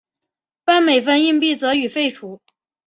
半美分硬币则予废除。